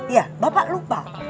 iya bapak lupa